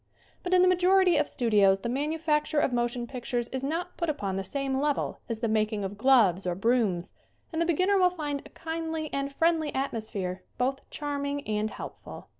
But in the majority of studios the manufac ture of motion pictures is not put upon the same level as the making of gloves or brooms, and the beginner will find a kindly and friendly atmosphere both charming and helpful.